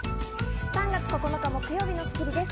３月９日、木曜日の『スッキリ』です。